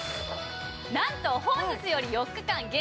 なんと本日より４日間限定！